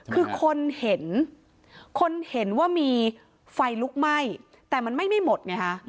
คือคนเห็นคนเห็นว่ามีไฟลุกไหม้แต่มันไหม้ไม่หมดไงฮะ